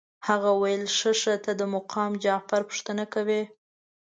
هغه ویل ښه ښه ته د مقام جعفر پوښتنه کوې.